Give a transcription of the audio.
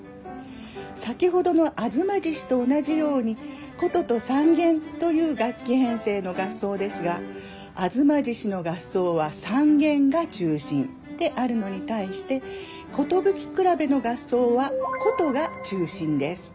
先ほどの「吾妻獅子」と同じように箏と三絃という楽器編成の合奏ですが「吾妻獅子」の合奏は三絃が中心であるのに対して「寿くらべ」の合奏は箏が中心です。